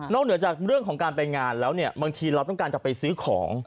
เหนือจากเรื่องของการไปงานแล้วเนี่ยบางทีเราต้องการจะไปซื้อของ